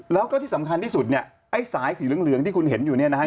แล้วก็ที่สำคัญที่สุดเนี่ยไอ้สายสีเหลืองที่คุณเห็นอยู่เนี่ยนะฮะ